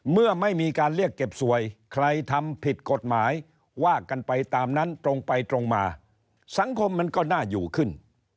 เมื่อไม่มีการเรียกเก็บสวยใครทำผิดกฎหมายว่ากันไปตามนั้นตรงไปตรงมาสังคมมันก็น่าอยู่ขึ้น